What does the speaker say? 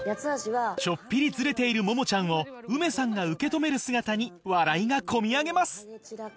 ちょっぴりズレているモモちゃんをウメさんが受け止める姿に笑いが込み上げます